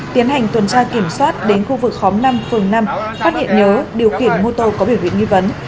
tiến hành tuần tra kiểm soát đến khu vực khóm năm phường năm phát hiện nhớ điều khiển mô tô có biểu hiện nghi vấn